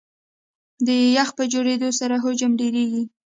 د یخ په جوړېدو سره حجم ډېرېږي.